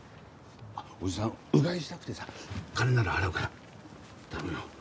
おじさんうがいしたくてさ金なら払うから頼むよ